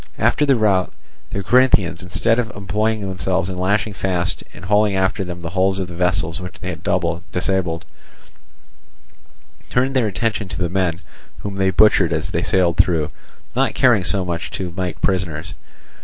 After the rout, the Corinthians, instead of employing themselves in lashing fast and hauling after them the hulls of the vessels which they had disabled, turned their attention to the men, whom they butchered as they sailed through, not caring so much to make prisoners.